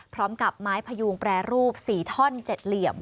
พร้อมกับไม้พยูงแปรรูป๔ท่อน๗เหลี่ยม